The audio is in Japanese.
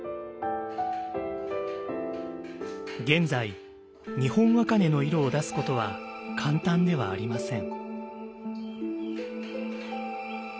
現在日本茜の色を出すことは簡単ではありません。